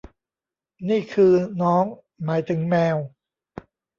นี่คือ 'น้อง' หมายถึงแมว